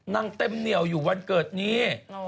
เต็มเหนียวอยู่วันเกิดนี้